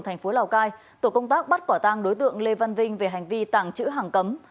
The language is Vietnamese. thành phố lào cai tổ công tác bắt quả tang đối tượng lê văn vinh về hành vi tàng trữ hàng cấm